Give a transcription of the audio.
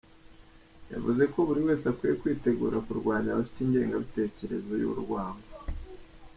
Yavuze ko buri wese akwiye kwitegura kurwanya abafite ingengabitekerezo y’urwango.